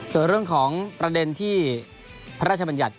ส่วนเรื่องของประเด็นที่พระราชบัญญัติ